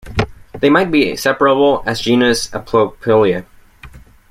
They might be separable as genus Aplopelia.